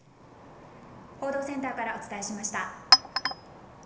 報道センターからお伝えしました。